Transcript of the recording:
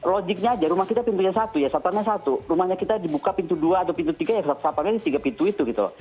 logiknya aja rumah kita pintunya satu ya satuannya satu rumahnya kita dibuka pintu dua atau pintu tiga ya satunya tiga pintu itu gitu